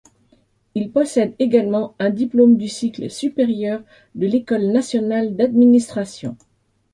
Il possède également un diplôme du cycle supérieur de l'École nationale d'administration.